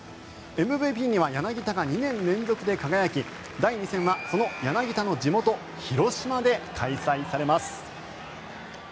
ＭＶＰには柳田が２年連続で輝き第２戦はその柳田の地元・広島で開催されます。